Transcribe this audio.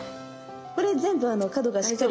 これ全部角がしっかり